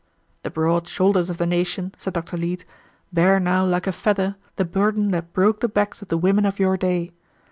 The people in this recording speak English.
"The broad shoulders of the nation," said Dr. Leete, "bear now like a feather the burden that broke the backs of the women of your day.